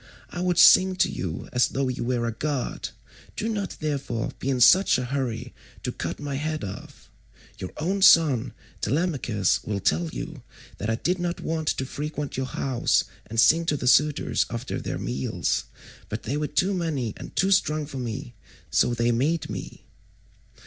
I would sing to you as though you were a god, do not therefore be in such a hurry to cut my head off. Your own son Telemachus will tell you that I did not want to frequent your house and sing to the suitors after their meals, but they were too many and too strong for me, so they made me."